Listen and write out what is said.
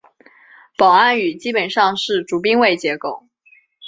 保安语基本上是主宾谓结构。